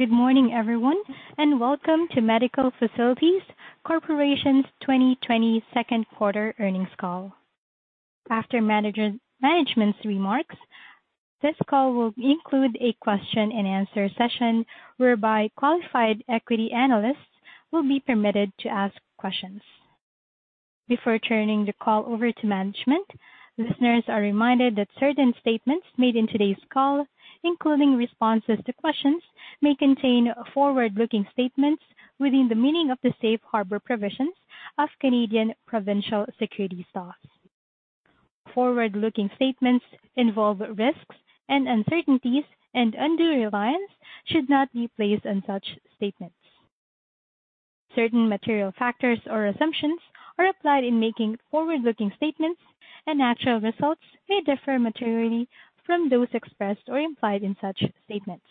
Good morning, everyone, and welcome to Medical Facilities Corporation's 2020 Second Quarter Earnings Call. After management's remarks, this call will include a question and answer session whereby qualified equity analysts will be permitted to ask questions. Before turning the call over to management, listeners are reminded that certain statements made in today's call, including responses to questions, may contain forward-looking statements within the meaning of the safe harbor provisions of Canadian provincial securities laws. Forward-looking statements involve risks and uncertainties. Undue reliance should not be placed on such statements. Certain material factors or assumptions are applied in making forward-looking statements. Actual results may differ materially from those expressed or implied in such statements.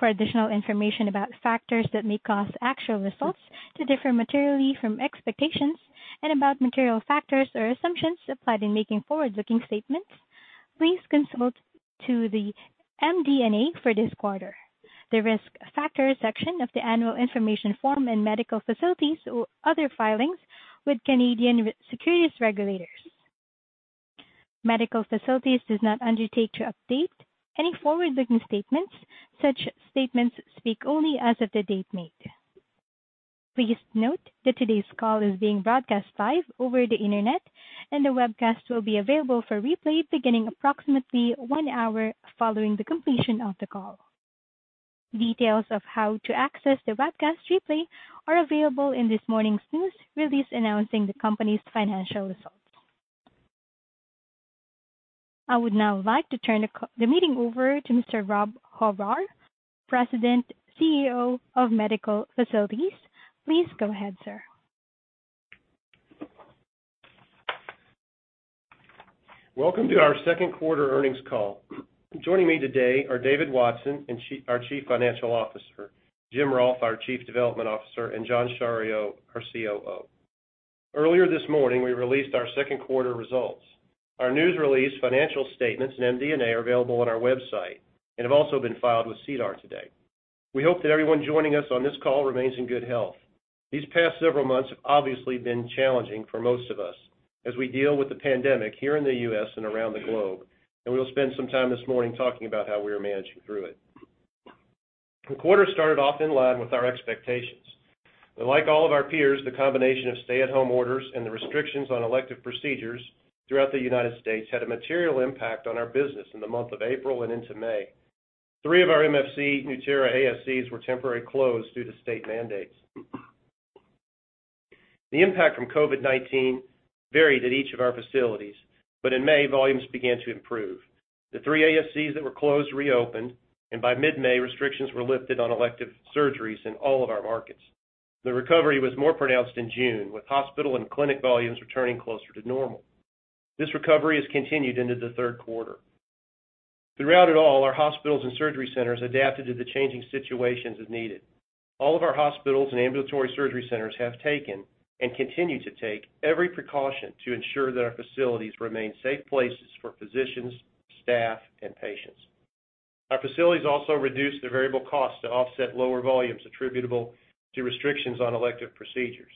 For additional information about factors that may cause actual results to differ materially from expectations and about material factors or assumptions applied in making forward-looking statements, please consult to the MD&A for this quarter, the Risk Factors section of the annual information form in Medical Facilities' other filings with Canadian securities regulators. Medical Facilities does not undertake to update any forward-looking statements. Such statements speak only as of the date made. Please note that today's call is being broadcast live over the internet, and the webcast will be available for replay beginning approximately one hour following the completion of the call. Details of how to access the webcast replay are available in this morning's news release announcing the company's financial results. I would now like to turn the meeting over to Mr. Rob Horrar, President, CEO of Medical Facilities. Please go ahead, sir. Welcome to our second quarter earnings call. Joining me today are David Watson, our Chief Financial Officer, Jim Rolfe, our Chief Development Officer, and John Schario, our COO. Earlier this morning, we released our second quarter results. Our news release, financial statements, and MD&A are available on our website and have also been filed with SEDAR today. We hope that everyone joining us on this call remains in good health. These past several months have obviously been challenging for most of us as we deal with the pandemic here in the U.S. and around the globe, and we'll spend some time this morning talking about how we are managing through it. The quarter started off in line with our expectations. Like all of our peers, the combination of stay-at-home orders and the restrictions on elective procedures throughout the U.S. had a material impact on our business in the month of April and into May. Three of our MFC Nueterra ASCs were temporarily closed due to state mandates. The impact from COVID-19 varied at each of our facilities, but in May, volumes began to improve. The three ASCs that were closed reopened, and by mid-May, restrictions were lifted on elective surgeries in all of our markets. The recovery was more pronounced in June, with hospital and clinic volumes returning closer to normal. This recovery has continued into the third quarter. Throughout it all, our hospitals and surgery centers adapted to the changing situations as needed. All of our hospitals and ambulatory surgery centers have taken, and continue to take, every precaution to ensure that our facilities remain safe places for physicians, staff, and patients. Our facilities also reduced their variable costs to offset lower volumes attributable to restrictions on elective procedures.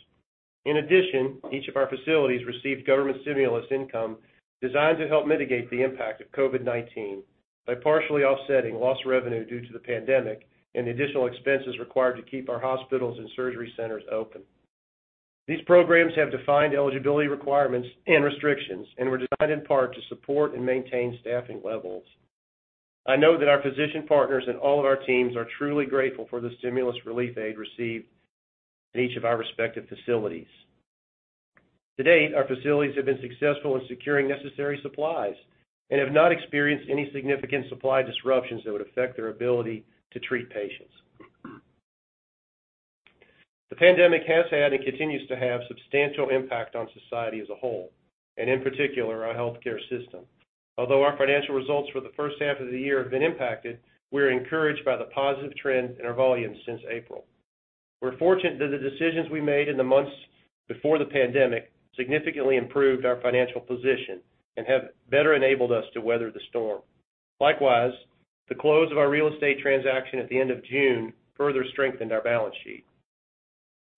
In addition, each of our facilities received government stimulus income designed to help mitigate the impact of COVID-19 by partially offsetting lost revenue due to the pandemic and the additional expenses required to keep our hospitals and surgery centers open. These programs have defined eligibility requirements and restrictions and were designed in part to support and maintain staffing levels. I know that our physician partners and all of our teams are truly grateful for the stimulus relief aid received at each of our respective facilities. To date, our facilities have been successful in securing necessary supplies and have not experienced any significant supply disruptions that would affect their ability to treat patients. The pandemic has had, and continues to have, substantial impact on society as a whole, and in particular, our healthcare system. Although our financial results for the first half of the year have been impacted, we are encouraged by the positive trend in our volumes since April. We're fortunate that the decisions we made in the months before the pandemic significantly improved our financial position and have better enabled us to weather the storm. Likewise, the close of our real estate transaction at the end of June further strengthened our balance sheet.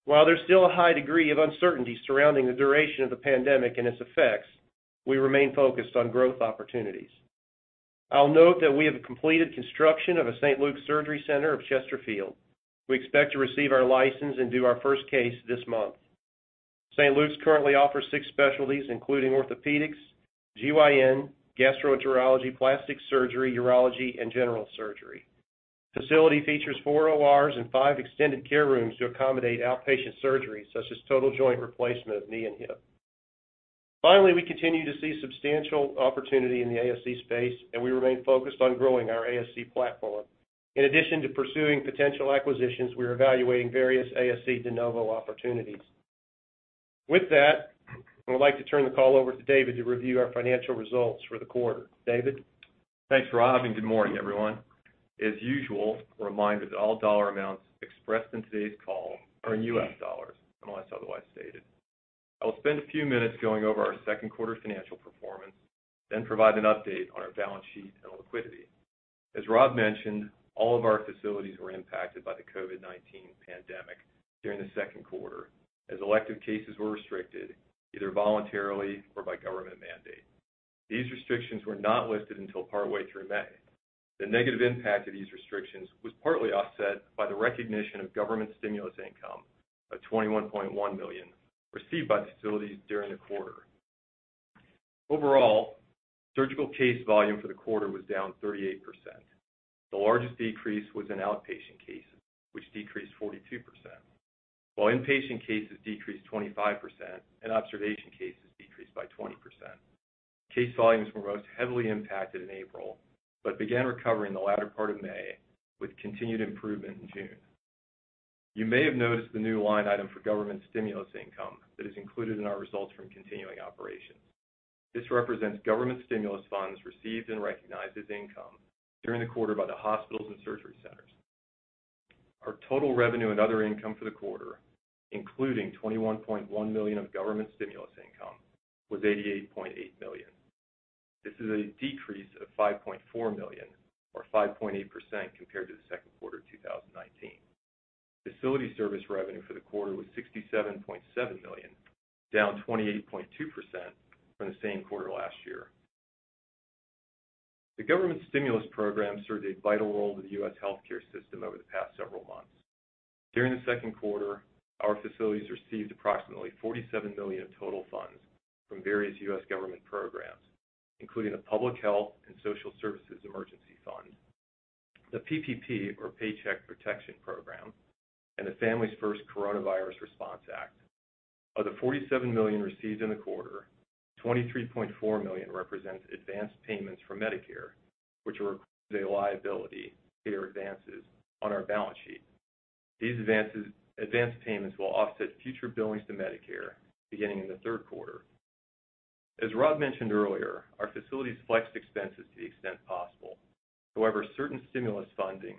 While there's still a high degree of uncertainty surrounding the duration of the pandemic and its effects, we remain focused on growth opportunities. I'll note that we have completed construction of a St. Luke's Surgery Center of Chesterfield. We expect to receive our license and do our first case this month. St. Luke's currently offers six specialties, including orthopedics, GYN, gastroenterology, plastic surgery, urology, and general surgery. Facility features four ORs and five extended care rooms to accommodate outpatient surgeries such as total joint replacement of knee and hip. We continue to see substantial opportunity in the ASC space, and we remain focused on growing our ASC platform. In addition to pursuing potential acquisitions, we are evaluating various ASC de novo opportunities. With that, I would like to turn the call over to David to review our financial results for the quarter. David? Thanks, Rob, good morning, everyone. As usual, a reminder that all dollar amounts expressed in today's call are in U.S. dollars, unless otherwise stated. I'll spend a few minutes going over our second quarter financial performance, then provide an update on our balance sheet and liquidity. As Rob mentioned, all of our facilities were impacted by the COVID-19 pandemic during the second quarter, as elective cases were restricted, either voluntarily or by government mandate. These restrictions were not lifted until partway through May. The negative impact of these restrictions was partly offset by the recognition of government stimulus income of $21.1 million received by facilities during the quarter. Overall, surgical case volume for the quarter was down 38%. The largest decrease was in outpatient cases, which decreased 42%, while inpatient cases decreased 25%, and observation cases decreased by 20%. Case volumes were most heavily impacted in April, but began recovering the latter part of May, with continued improvement in June. You may have noticed the new line item for government stimulus income that is included in our results from continuing operations. This represents government stimulus funds received and recognized as income during the quarter by the hospitals and surgery centers. Our total revenue and other income for the quarter, including $21.1 million of government stimulus income, was $88.8 million. This is a decrease of $5.4 million, or 5.8%, compared to the second quarter of 2019. Facility service revenue for the quarter was $67.7 million, down 28.2% from the same quarter last year. The government stimulus program served a vital role to the U.S. healthcare system over the past several months. During the second quarter, our facilities received approximately $47 million of total funds from various U.S. government programs, including the Public Health and Social Services Emergency Fund, the PPP, or Paycheck Protection Program, and the Families First Coronavirus Response Act. Of the $47 million received in the quarter, $23.4 million represents advanced payments from Medicare, which are a liability care advances on our balance sheet. These advanced payments will offset future billings to Medicare beginning in the third quarter. As Rob mentioned earlier, our facilities flexed expenses to the extent possible. Certain stimulus funding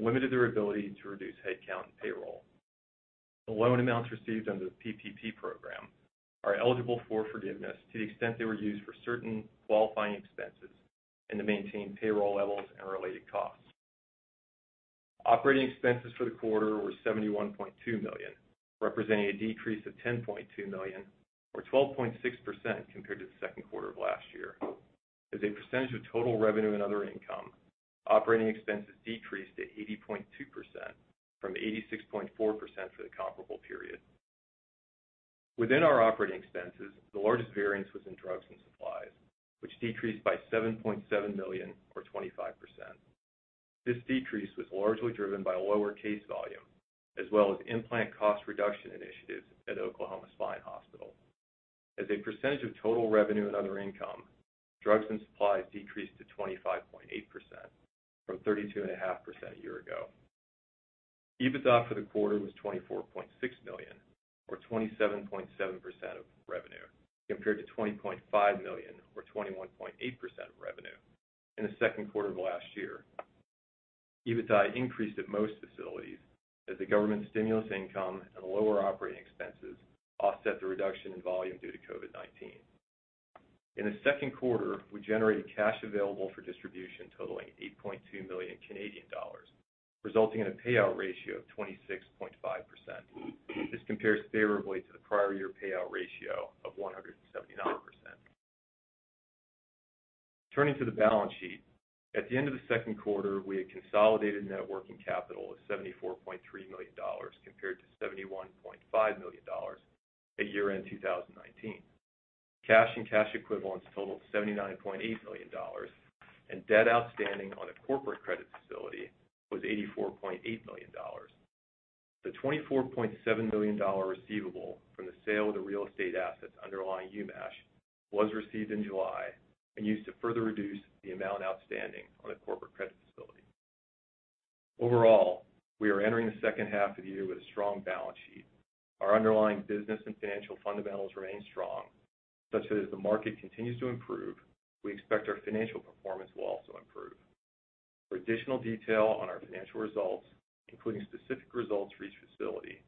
limited their ability to reduce headcount and payroll. The loan amounts received under the PPP program are eligible for forgiveness to the extent they were used for certain qualifying expenses and to maintain payroll levels and related costs. Operating expenses for the quarter were $71.2 million, representing a decrease of $10.2 million, or 12.6%, compared to the second quarter of last year. As a percentage of total revenue and other income, operating expenses decreased to 80.2%, from 86.4% for the comparable period. Within our operating expenses, the largest variance was in drugs and supplies, which decreased by $7.7 million, or 25%. This decrease was largely driven by lower case volume, as well as implant cost reduction initiatives at Oklahoma Spine Hospital. As a percentage of total revenue and other income, drugs and supplies decreased to 25.8%, from 32.5% a year ago. EBITDA for the quarter was $24.6 million, or 27.7% of revenue, compared to $20.5 million, or 21.8% of revenue in the second quarter of last year. EBITDA increased at most facilities as the government stimulus income and lower operating expenses offset the reduction in volume due to COVID-19. In the second quarter, we generated cash available for distribution totaling 8.2 million Canadian dollars, resulting in a payout ratio of 26.5%. This compares favorably to the prior-year payout ratio of 179%. Turning to the balance sheet. At the end of the second quarter, we had consolidated net working capital of $74.3 million, compared to $71.5 million at year-end 2019. Cash and cash equivalents totaled $79.8 million, and debt outstanding on a corporate credit facility was $84.8 million. The $24.7 million receivable from the sale of the real estate assets underlying UMASH was received in July and used to further reduce the amount outstanding on a corporate credit facility. Overall, we are entering the second half of the year with a strong balance sheet. Our underlying business and financial fundamentals remain strong, such that as the market continues to improve, we expect our financial performance will also improve. For additional detail on our financial results, including specific results for each facility,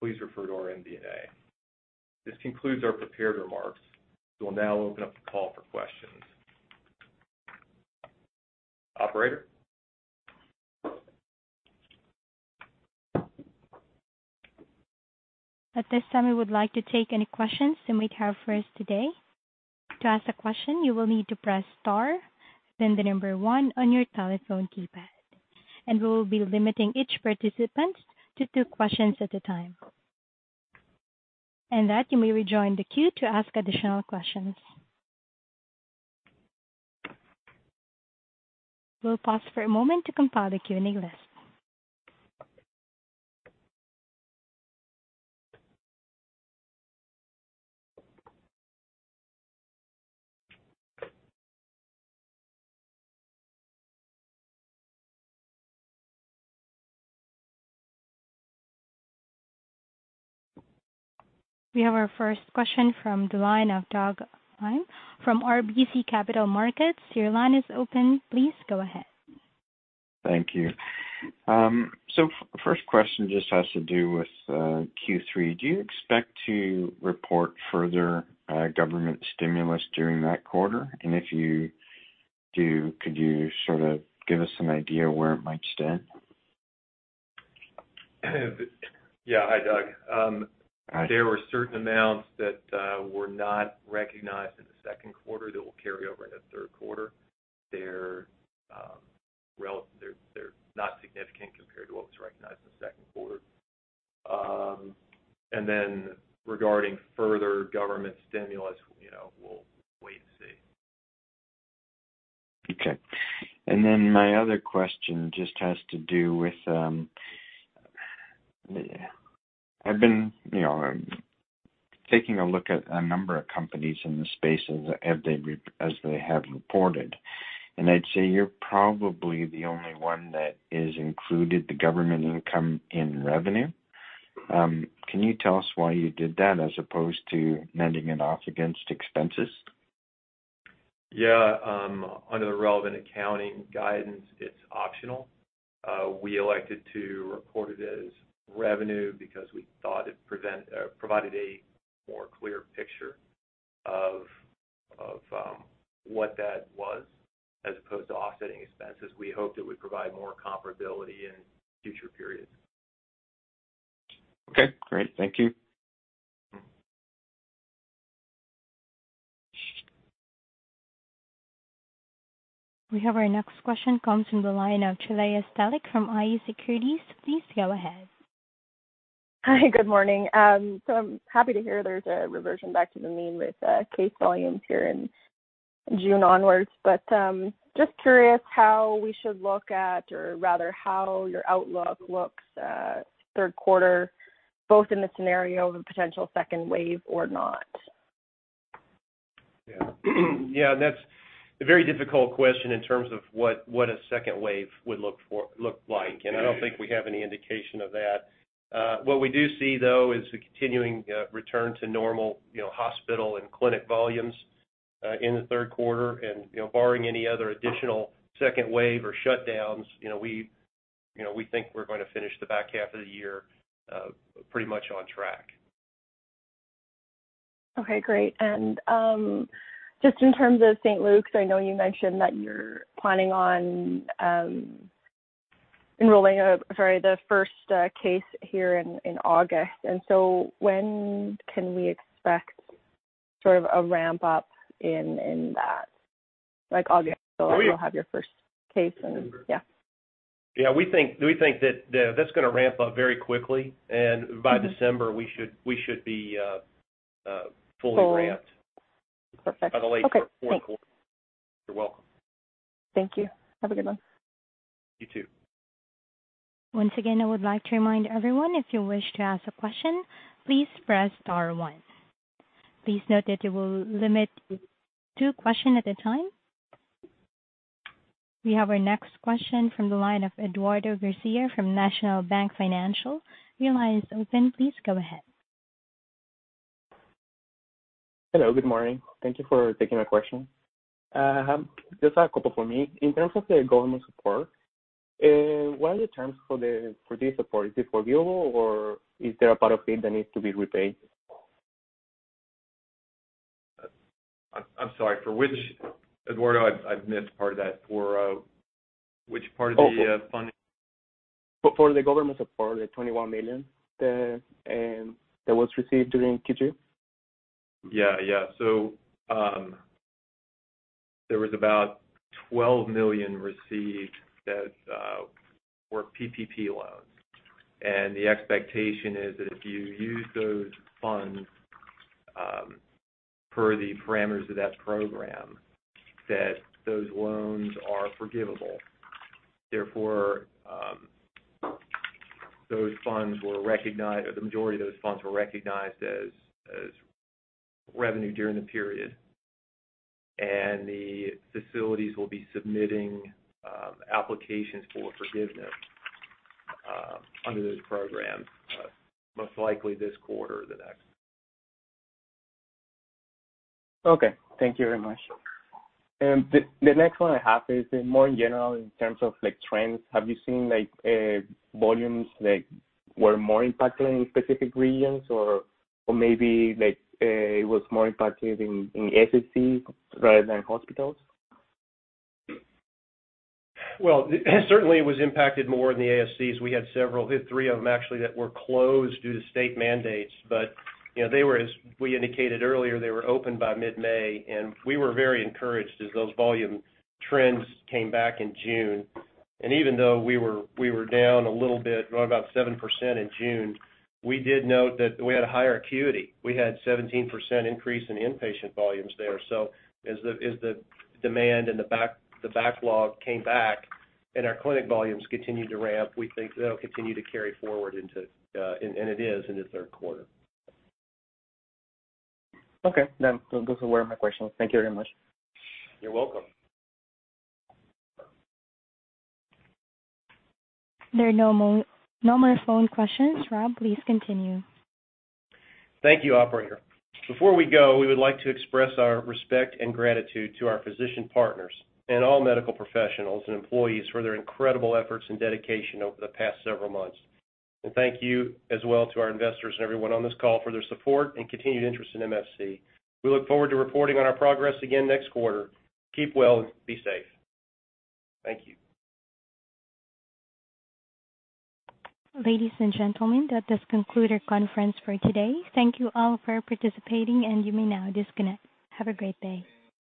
please refer to our MD&A. This concludes our prepared remarks. We'll now open up the call for questions. Operator? At this time, we would like to take any questions that we have for us today. To ask a question, you will need to press star then the number one on your telephone keypad. We will be limiting each participant to two questions at a time. You may rejoin the queue to ask additional questions. We will pause for a moment to compile the Q&A list. We have our first question from the line of Doug Hein from RBC Capital Markets. Your line is open. Please go ahead. Thank you. First question just has to do with Q3. Do you expect to report further government stimulus during that quarter? If you do, could you give us an idea where it might stand? Yeah. Hi, Doug. Hi. There were certain amounts that were not recognized in the second quarter that will carry over into third quarter. They're not significant compared to what was recognized in the second quarter. Then regarding further government stimulus, we'll wait and see. Okay. My other question just has to do with, I've been taking a look at a number of companies in the space as they have reported, and I'd say you're probably the only one that has included the government income in revenue. Can you tell us why you did that as opposed to netting it off against expenses? Yeah. Under the relevant accounting guidance, it's optional. We elected to report it as revenue because we thought it provided a more clear picture of what that was as opposed to offsetting expenses. We hoped it would provide more comparability in future periods. Okay, great. Thank you. We have our next question comes from the line of Julia Stelik from iA Securities. Please go ahead. Hi. Good morning. I'm happy to hear there's a reversion back to the mean with case volumes here in June onwards. Just curious how we should look at, or rather how your outlook looks third quarter, both in the scenario of a potential second wave or not? Yeah, that's a very difficult question in terms of what a second wave would look like. I don't think we have any indication of that. What we do see, though, is the continuing return to normal hospital and clinic volumes, in the third quarter. Barring any other additional second wave or shutdowns, we think we're going to finish the back half of the year pretty much on track. Okay, great. Just in terms of St. Luke's, I know you mentioned that you're planning on enrolling the first case here in August. When can we expect sort of a ramp-up in that? Like August you'll have your first case and yeah? Yeah, we think that's going to ramp-up very quickly, and by December we should be fully ramped-up. Full. Perfect. Okay, thanks. By the late fourth quarter. You're welcome. Thank you. Have a good one. You, too. Once again, I would like to remind everyone, if you wish to ask a question, please press star one. Please note that you will limit to two question at a time. We have our next question from the line of Eduardo Garcia from National Bank Financial. Your line is open. Please go ahead. Hello, good morning. Thank you for taking my question. Just a couple from me. In terms of the government support, what are the terms for this support? Is it forgivable, or is there a part of it that needs to be repaid? I'm sorry, for which, Eduardo, I've missed part of that. For which part of the funding? For the government support, the $21 million that was received during Q2. Yeah. There was about $12 million received that were PPP loans. The expectation is that if you use those funds per the parameters of that program, that those loans are forgivable. Therefore, the majority of those funds were recognized as revenue during the period, and the facilities will be submitting applications for forgiveness under those programs, most likely this quarter or the next. Okay. Thank you very much. The next one I have is more general in terms of trends. Have you seen volumes that were more impacted in specific regions or maybe it was more impacted in ASCs rather than hospitals? Well, certainly it was impacted more in the ASCs. We had three of them actually that were closed due to state mandates. As we indicated earlier, they were open by mid-May, and we were very encouraged as those volume trends came back in June. Even though we were down a little bit, about 7% in June, we did note that we had a higher acuity. We had 17% increase in inpatient volumes there. As the demand and the backlog came back and our clinic volumes continued to ramp, we think that'll continue to carry forward, and it is in the third quarter. Okay. Those were all my questions. Thank you very much. You're welcome. There are no more phone questions. Rob, please continue. Thank you, operator. Before we go, we would like to express our respect and gratitude to our physician partners and all medical professionals and employees for their incredible efforts and dedication over the past several months. Thank you as well to our investors and everyone on this call for their support and continued interest in MFC. We look forward to reporting on our progress again next quarter. Keep well. Be safe. Thank you. Ladies and gentlemen, that does conclude our conference for today. Thank you all for participating, and you may now disconnect. Have a great day.